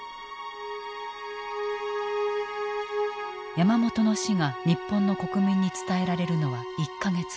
山本の死が日本の国民に伝えられるのは１か月後。